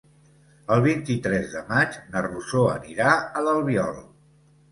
El vint-i-tres de maig na Rosó anirà a l'Albiol.